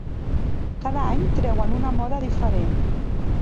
Cada any treuen una moda diferent.